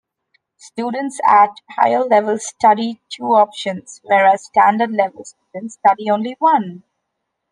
Students at higher level study two options whereas standard level students study only one.